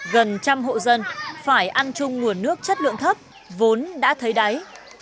gần trăm hộ dân phải ăn chung nguồn nước chất lượng thấp vốn đã thấy đáy